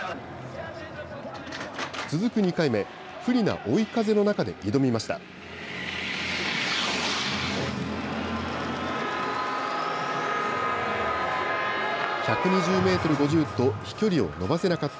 続く２回目、不利な追い風の中で挑みました。